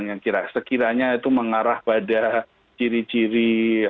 yang sekiranya itu mengarah pada ciri ciri